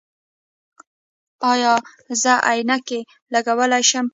ایا زه عینکې لګولی شم؟